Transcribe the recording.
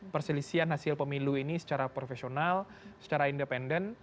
perselisian hasil pemilu ini secara profesional secara independen